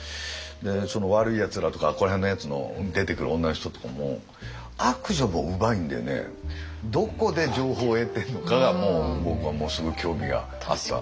「わるいやつら」とかここら辺のやつの出てくる女の人とかも悪女もうまいんでねどこで情報を得てるのかが僕はものすごい興味があった。